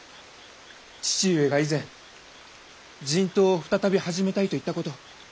父上が以前人痘を再び始めたいと言ったこと。